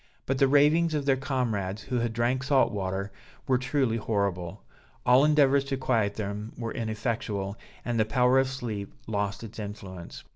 But the ravings of their comrades who had drank salt water were truly horrible; all endeavors to quiet them were ineffectual, and the power of sleep lost its influence.